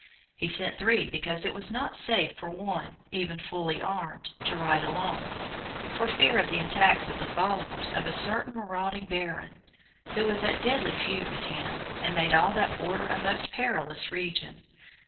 He sent three, because it was not safe for one, even fully armed, to ride alone, for fear of the attacks of the followers of a certain marauding Baron, who was at deadly feud with him, and made all that border a most perilous region.